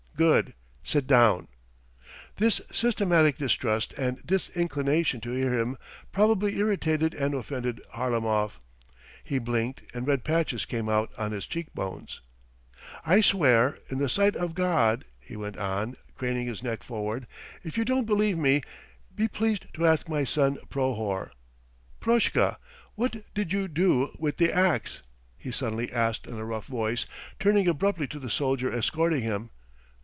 ..." "Good, sit down." This systematic distrust and disinclination to hear him probably irritated and offended Harlamov. He blinked and red patches came out on his cheekbones. "I swear in the sight of God," he went on, craning his neck forward. "If you don't believe me, be pleased to ask my son Prohor. Proshka, what did you do with the axe?" he suddenly asked in a rough voice, turning abruptly to the soldier escorting him.